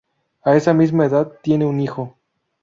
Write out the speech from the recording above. A esa misma edad tiene un hijo.